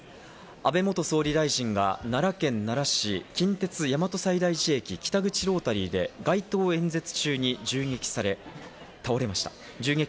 安倍元総理大臣が奈良県奈良市、近鉄・大和西大寺駅、北口ロータリーで街頭演説中に銃撃され、倒れました。